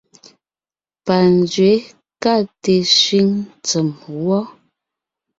Panzwě ka te sẅíŋ tsèm wɔ.